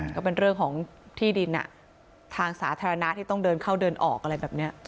ก็เป็นเรื่องของที่ดินทางสาธารณะที่ต้องเดินเข้าเดินออกอะไรแบบนี้